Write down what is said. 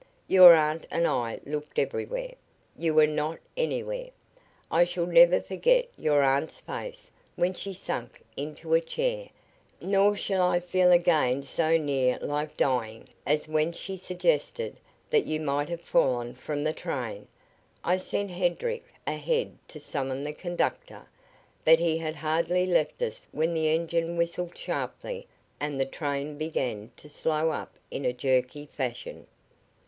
Your aunt and I looked everywhere. You were not anywhere. I shall never forget your aunt's face when she sank into a chair, nor shall I feel again so near like dying as when she suggested that you might have fallen from the train. I sent Hedrick ahead to summon the conductor, but he had hardly left us when the engine whistled sharply and the train began to slow up in a jerky fashion.